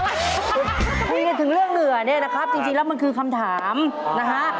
คุยกันถึงเรื่องเหงื่อเนี่ยนะครับจริงแล้วมันคือคำถามนะฮะ